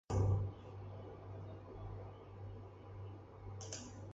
Julio García Villanueva fue un militar mexicano que participó en la Revolución mexicana.